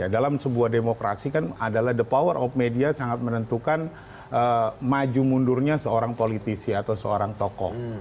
dalam sebuah demokrasi kan adalah the power of media sangat menentukan maju mundurnya seorang politisi atau seorang tokoh